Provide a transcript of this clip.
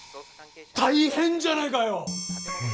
大変じゃないかよ！